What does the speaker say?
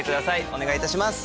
お願い致します。